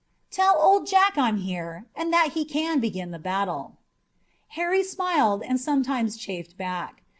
"Tell Old Jack I'm here and that he can begin the battle." Harry smiled, and sometimes chaffed back.